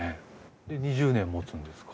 で２０年もつんですか。